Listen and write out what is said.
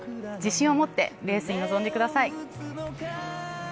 自信を持ってレースに臨んでください。